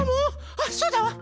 あっそうだわ。